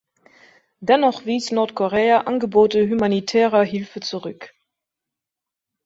Dennoch wies Nordkorea Angebote humanitärer Hilfe zurück.